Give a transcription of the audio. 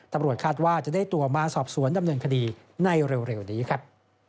ตำรวจคาดว่าจะได้ตัวมาสอบสวนดำเนินคดีในเร็วนี้ครับ